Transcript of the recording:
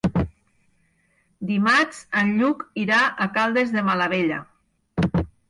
Dimarts en Lluc irà a Caldes de Malavella.